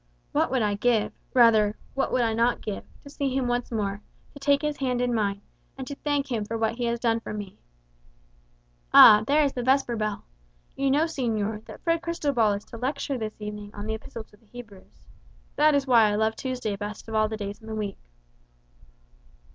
"What would I give rather, what would I not give to see him once more, to take his hand in mine, and to thank him for what he has done for me!" "Ah, there is the vesper bell. You know, señor, that Fray Cristobal is to lecture this evening on the Epistle to the Hebrews. That is why I love Tuesday best of all days in the week."